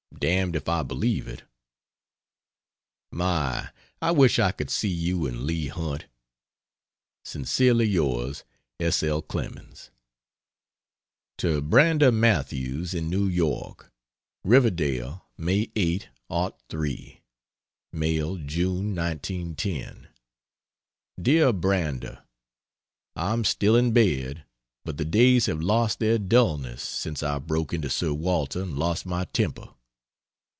Dam'd if I believe it. My, I wish I could see you and Leigh Hunt! Sincerely Yours S. L. CLEMENS. To Brander Matthews, in New York: RIVERDALE, May 8,'03 (Mailed June, 1910). DEAR BRANDER, I'm still in bed, but the days have lost their dulness since I broke into Sir Walter and lost my temper.